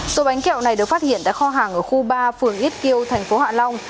số bánh kẹo này được phát hiện tại kho hàng ở khu ba phường ít kiêu tp hạ long